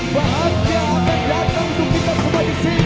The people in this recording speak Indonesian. bahagia akan datang untuk kita semua disini